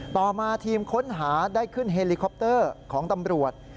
ต่อมาทีมค้นหาได้ขึ้นเฮลิคอปเตอร์ของตำรวจ